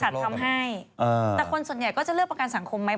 ทำให้แต่คนส่วนใหญ่ก็จะเลือกประกันสังคมไหม